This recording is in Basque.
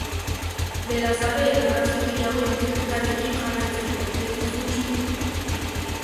Beraz, are eta arrazoi gehiago ikerketarekin jarraitzeko, ez duzu uste?